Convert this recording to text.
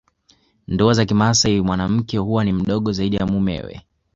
Ndoa za kimasai mwanamke huwa ni mdogo zaidi ya mumewe